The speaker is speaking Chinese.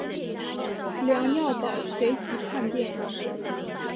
梁耀宝随即叛变。